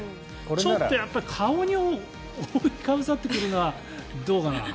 ちょっとやっぱり顔に覆いかぶさってくるのはどうかな？